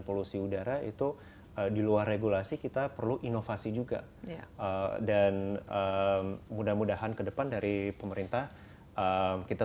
polusi udara itu di luar regulasi kita perlu inovasi juga dan mudah mudahan kedepan dari pemerintah kita